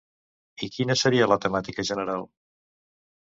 I quina seria la temàtica general?